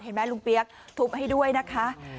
เห็นไหมลุงเปี๊ยกทุบให้ด้วยนะคะ